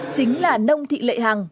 chính là nông thị lệ hằng